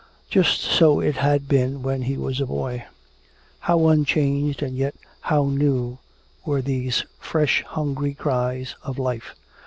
Just so it had been when he was a boy. How unchanged and yet how new were these fresh hungry cries of life.